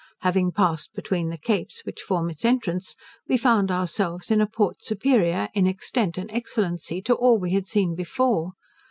Having passed between the capes which form its entrance, we found ourselves in a port superior, in extent and excellency, to all we had seen before.